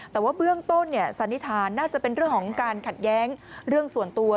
แต่ว่าเบื้องต้นสันนิษฐานน่าจะเป็นเรื่องของการขัดแย้งเรื่องส่วนตัว